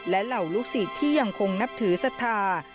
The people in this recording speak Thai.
และเหล่าลูกศิษย์ที่ยังคงนับถือศรัทธา